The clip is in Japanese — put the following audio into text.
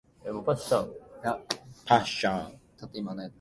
皇位は、世襲のものであつて、国会の議決した皇室典範の定めるところにより、これを継承する。